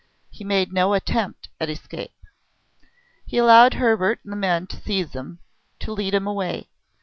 he made no attempt at escape. He allowed Hebert and the men to seize him, to lead him away.